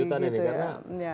karena sudah beberapa kali ya